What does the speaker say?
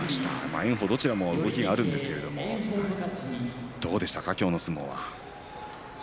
炎鵬はどちらも動きがあるんですけどどうでしたか、今日の相撲は。